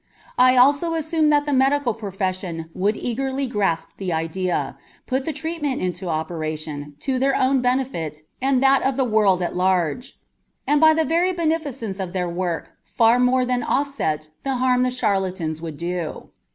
I also assumed that the medical profession would eagerly grasp the idea, put the treatment into operation, to their own benefit and that of the world at large, and by the very beneficence of their work far more than offset the harm the charlatans would do.